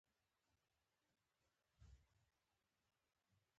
جانداد د دوستۍ قدر کوي.